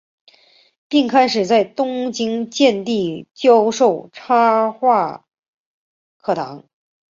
并开始在东京筑地教授插画课程。